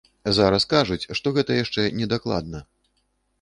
Зараз кажуць, што гэта яшчэ не дакладна.